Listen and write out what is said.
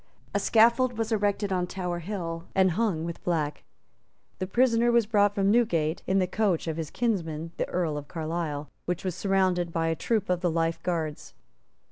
A scaffold was erected on Tower Hill and hung with black. The prisoner was brought from Newgate in the coach of his kinsman the Earl of Carlisle, which was surrounded by a troop of the Life Guards.